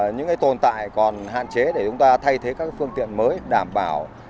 những tồn tại còn hạn chế để chúng ta thay thế các phương tiện mới đảm bảo